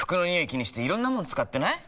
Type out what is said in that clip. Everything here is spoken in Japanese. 気にしていろんなもの使ってない？